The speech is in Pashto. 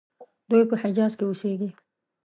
دوی په حجاز کې اوسیږي.